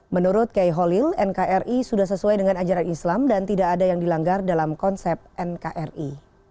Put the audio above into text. menurut kiai holil nkri sudah sesuai dengan ajaran islam dan tidak ada yang dilanggar dalam konsep nkri